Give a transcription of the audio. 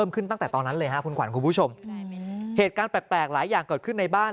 คุณควัญคุณผู้ชมเหตุการณ์แปลกหลายอย่างเกิดขึ้นในบ้าน